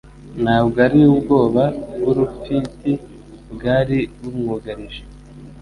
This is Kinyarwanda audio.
Ntabwo ari ubwoba bw'urupfit bwari bumwugarije.